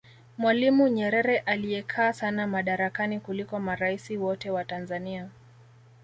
mwalimu nyerere aliyekaa sana madarakani kuliko maraisi wote wa tanzania